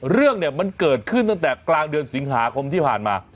เรื่องเนี่ยมันเกิดขึ้นตั้งแต่กลางเดือนสิงหาคมที่ผ่านมา